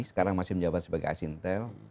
sekarang masih menjabat sebagai asintel